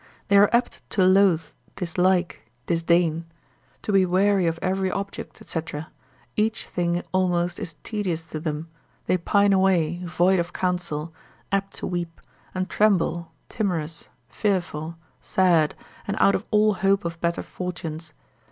They are apt to loath, dislike, disdain, to be weary of every object, &c., each thing almost is tedious to them, they pine away, void of counsel, apt to weep, and tremble, timorous, fearful, sad, and out of all hope of better fortunes.